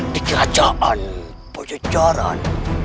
di kerajaan panjajaran